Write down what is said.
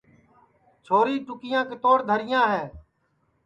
چھوری ٹُکیاں کِتوڑ دھروڑیاں ہے